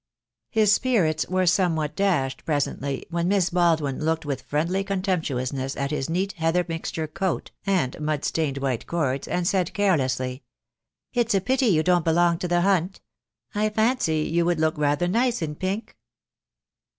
o His spirits were somewhat dashed presently when Miss Baldwin looked with friendly contemptuousness at The Day will conie. I. 1 5 2 26 THE DAY WILL COME. his neat heather mixture coat and mud stained white cords, and said carelessly, — "It's a pity you don't belong to the Hunt. I fancy you would look rather nice in pink?"